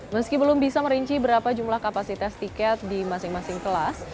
meski belum bisa merinci berapa jumlah kapasitas tiket di masing masing kelas